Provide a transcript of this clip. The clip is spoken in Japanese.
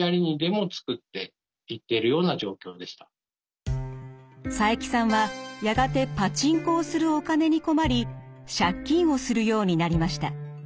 とにかく佐伯さんはやがてパチンコをするお金に困り借金をするようになりました。